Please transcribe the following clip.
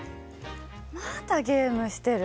またゲームしてる！